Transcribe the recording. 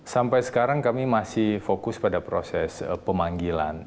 sampai sekarang kami masih fokus pada proses pemanggilan